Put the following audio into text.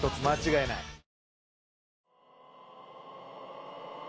間違いない。